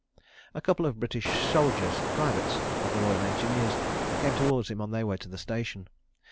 A couple of British soldiers, privates of the Royal Engineers, came towards him on their way to the station.